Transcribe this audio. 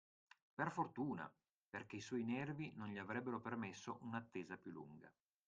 Per fortuna, perché i suoi nervi non gli avrebbero permesso un'attesa piú lunga.